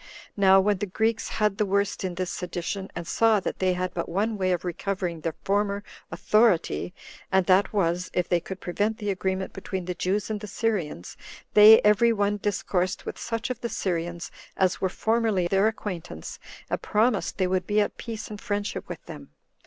Now when the Greeks had the worst in this sedition, and saw that they had but one way of recovering their former authority, and that was, if they could prevent the agreement between the Jews and the Syrians, they every one discoursed with such of the Syrians as were formerly their acquaintance, and promised they would be at peace and friendship with them.